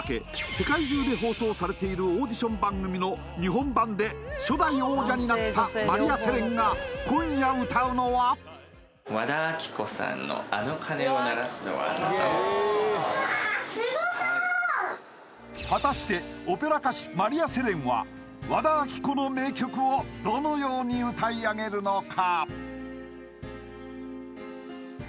世界中で放送されているオーディション番組の日本版で初代王者になったマリアセレンが今夜歌うのは果たしてオペラ歌手マリアセレンは和田アキ子の名曲をどのように歌い上げるのか？